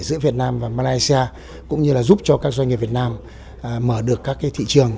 giữa việt nam và malaysia cũng như là giúp cho các doanh nghiệp việt nam mở được các thị trường